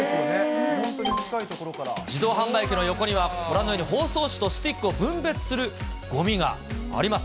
自動販売機の横にはご覧のように、包装紙とスティックを分別するごみ箱があります。